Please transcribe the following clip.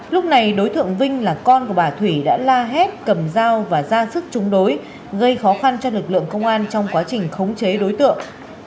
lúc này đối tượng vinh là con của bà thủy đã la hét cầm dao và ra sức trúng đối gây khó khăn cho lực lượng công an trong quá trình khống chế đối tượng